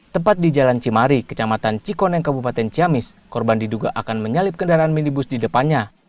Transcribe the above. tepat di jalan cimari kecamatan cikoneng kabupaten ciamis korban diduga akan menyalip kendaraan minibus di depannya